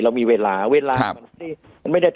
เรามีเวลาอัตราการเคียง